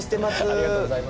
ありがとうございます。